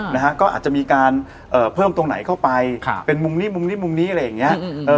นะฮะก็อาจจะมีการเอ่อเพิ่มตรงไหนเข้าไปครับเป็นมุมนี้มุมนี้มุมนี้อะไรอย่างเงี้ย